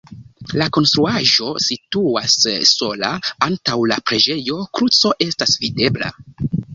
La konstruaĵo situas sola, antaŭ la preĝejo kruco estas videbla.